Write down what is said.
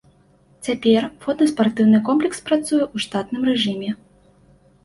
Цяпер воднаспартыўны комплекс працуе ў штатным рэжыме.